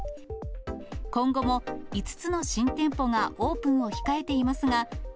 今後も５つの新店舗がオープンを控えていますが。